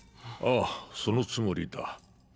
あぁそのつもりだ。